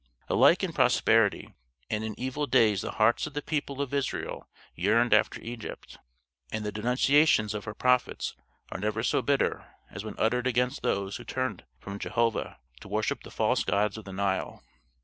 Alike in prosperity and in evil days the hearts of the people of Israel yearned after Egypt, and the denunciations of her prophets are never so bitter as when uttered against those who turned from Jehovah to worship the false gods of the Nile.